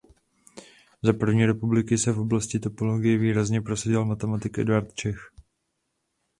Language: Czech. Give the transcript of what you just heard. Za první republiky se v oblasti topologie výrazně prosadil matematik Eduard Čech.